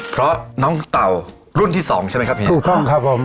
เพราะน้องเต่ารุ่นที่สองใช่ไหมครับพี่ถูกต้องครับผม